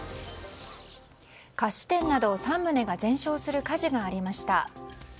菓子店など３棟が全焼する火事がありました。